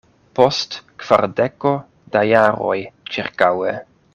Post kvardeko da jaroj ĉirkaŭe.